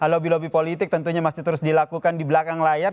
lobby lobby politik tentunya masih terus dilakukan di belakang layar